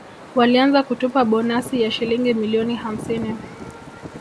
Walianza kutupa bonasi ya Shilingi milioni hamsini